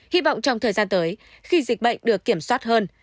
hy vọng trong thời gian tới khi dịch bệnh được kiểm soát hơn